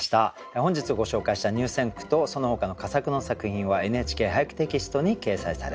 本日ご紹介した入選句とそのほかの佳作の作品は「ＮＨＫ俳句テキスト」に掲載されます。